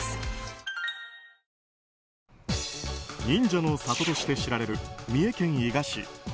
忍者の里として知られる三重県伊賀市。